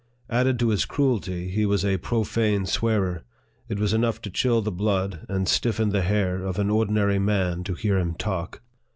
Added to his cruelty, he was a profane swearer. It was enough to chill the blood and stiffen the hair of an ordinary man to hear him talk.